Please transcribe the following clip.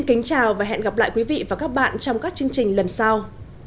kính chào và hẹn gặp lại quý vị và các bạn trong các chương trình lần sau